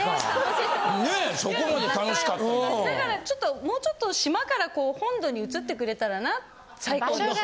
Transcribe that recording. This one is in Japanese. ちょっともうちょっと島からこう本土に移ってくれたらな最高。